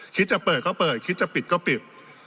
จะเปิดก็เปิดคิดจะปิดก็ปิด